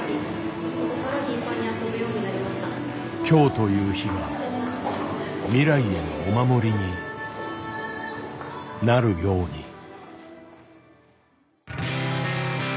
今日という日が未来へのお守りになるように。